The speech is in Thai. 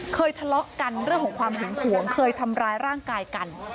ทะเลาะกันเรื่องของความหึงหวงเคยทำร้ายร่างกายกัน